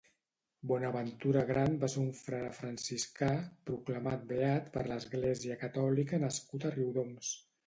Bonaventura Gran va ser un frare franciscà, proclamat beat per l'Església catòlica nascut a Riudoms.